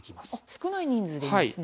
少ない人数でいいんですね。